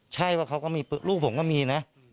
ใช่ว่าเขาก็มีลูกผมก็มีนะ